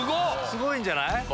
すごいんじゃない。